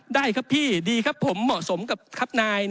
ได้ครับพี่ดีครับผมเหมาะสมกับครับนาย